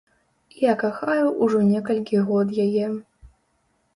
Я кахаю ўжо некалькі год яе.